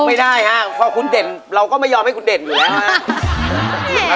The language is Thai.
ไม่ได้ฮะพอคุณเด่นเราก็ไม่ยอมให้คุณเด่นอยู่แล้วครับ